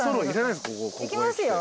いきますよ。